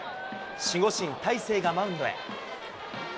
守護神、大勢がマウンドへ。